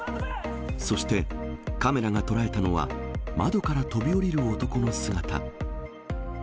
そして、カメラが捉えたのは、窓から飛び降りる男の姿。